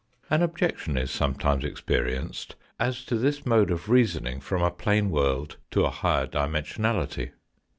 An objection is sometimes experienced as to this mode of reasoning from a plane world to a higher dimensionality.